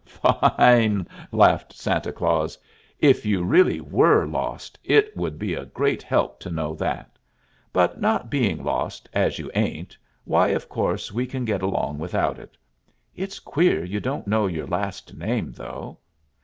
'" "Fine!" laughed Santa Claus. "If you really were lost, it would be a great help to know that; but not being lost, as you ain't, why, of course, we can get along without it. It's queer you don't know your last name, though."